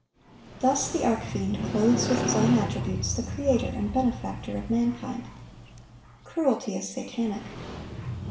Thus the arch fiend clothes with his own attributes the Creator and Benefactor of mankind. Cruelty is satanic.